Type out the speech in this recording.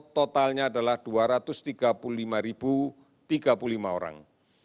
totalnya adalah dua ratus tiga puluh lima tiga puluh lima orang